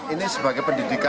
ini sebagai pendidikan